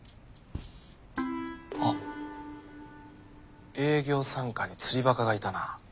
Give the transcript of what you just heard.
あっ営業三課に釣りバカがいたな。